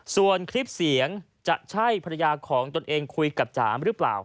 ส่วนคลิปเสียงจะใช่ภรรยาของตนเองคุยกับจ๋ามหรือเปล่า